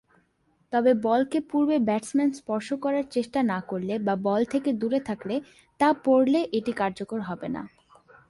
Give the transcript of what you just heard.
তবে বলকে পূর্বে ব্যাটসম্যান স্পর্শ করার চেষ্টা না করলে বা বল থেকে দূরে থাকলে তা পড়লে এটি কার্যকর হবে না।